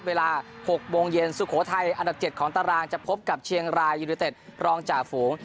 เวลา๖โมงเย็นสุโขทัยอันดับ๗ของตารางจะพบกับเชียงรายยูนิเต็ดรองจ่าฝูง